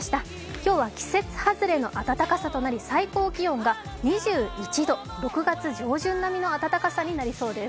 今日は季節外れの暖かさとなり最高気温が２１度、６月上旬並みの暖かさとなりそうです。